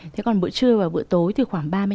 thế còn bữa trưa và bữa tối thì khoảng ba mươi năm